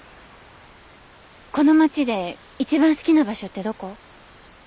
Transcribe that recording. この町で一番好きな場所ってどこ？